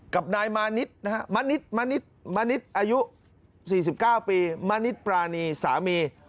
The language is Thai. กับนายมณิษฐ์นะฮะมณิษฐ์มณิษฐ์มณิษฐ์อายุ๔๙ปีมณิษฐ์ปรานีสามี